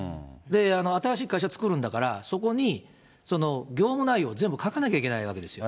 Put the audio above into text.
新しい会社作るんだから、そこに業務内容を全部書かなきゃいけないわけですよ。